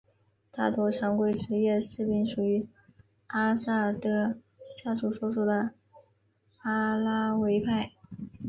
大多常规职业士兵属于阿萨德家族所属的阿拉维派。